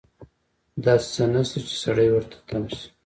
داسې څه نشته چې سړی ورته تم شي.